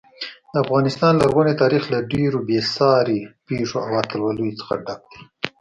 د افغانستان لرغونی تاریخ له ډېرو بې ساري پیښو او اتلولیو څخه ډک دی.